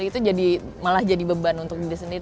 itu malah jadi beban untuk diri sendiri